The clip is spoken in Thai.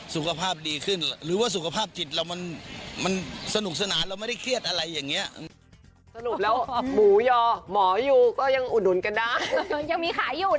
สุขภาพดีขึ้นหรือว่าสุขภาพจิตเรามันสนุกสนานเราไม่ได้เครียดอะไรอย่างนี้